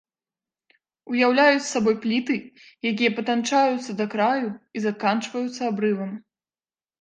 Уяўляюць сабой пліты, якія патанчаюцца да краю і заканчваюцца абрывам.